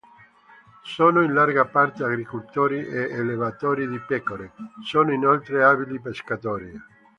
Sono in larga parte agricoltori e allevatori di pecore; sono inoltre abili pescatori.